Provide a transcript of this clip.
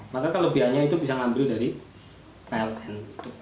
maka kalau biayanya itu bisa ngambil dari pln